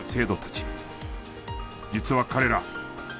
実は彼ら。